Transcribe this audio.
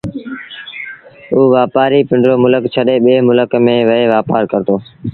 اُ وآپآري پنڊرو ملڪ ڇڏي ٻي ملڪ ميݩ وهي وآپآر ڪرتو